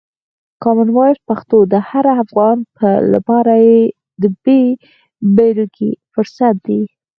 کامن وایس پښتو د هر افغان لپاره د بې بېلګې فرصت دی.